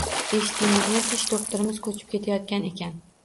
Eshitdingizmi, tish doʻxtirimiz koʻchib ketayotgan ekan.